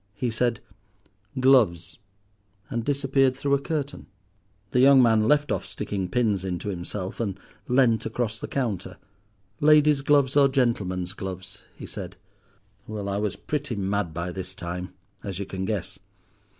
He said 'Gloves,' and disappeared through a curtain. The young man left off sticking pins into himself, and leant across the counter. "'Ladies' gloves or gentlemen's gloves?' he said. "Well, I was pretty mad by this time, as you can guess.